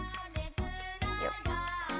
よっ！